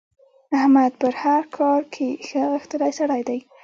احمد په هر کار کې ښه غښتلی سړی دی.